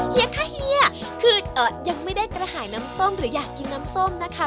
เฮียค่ะเฮียคือยังไม่ได้กระหายน้ำส้มหรืออยากกินน้ำส้มนะคะ